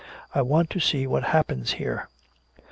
I want to see what happens here."